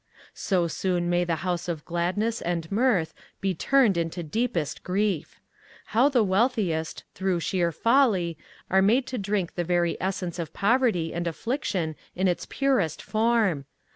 So soon may the house of gladness and mirth be turned into deepest grief! How the wealthiest, through sheer folly, are made to drink the very essence of poverty and affliction in its purest form!